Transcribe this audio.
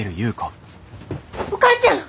お母ちゃん！